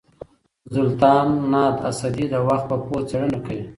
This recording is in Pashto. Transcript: زولتان ناداسدي د وخت په پوهه څېړنه کوي.